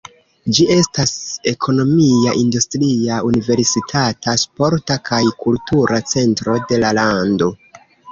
Ĝi estas ekonomia, industria, universitata, sporta kaj kultura centro de la lando.